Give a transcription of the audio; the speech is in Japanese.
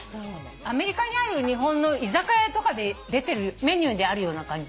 アメリカにある日本の居酒屋とかで出てるメニューであるような感じ